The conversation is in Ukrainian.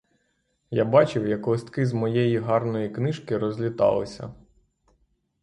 Я бачив, як листки з моєї гарної книжки розліталися.